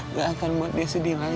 nggak akan buat dia sedih lagi